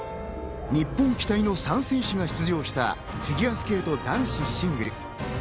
日本期待の３選手が出場したフィギュアスケート男子シングル。